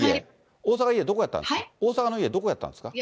大阪の家、どこやったんですか？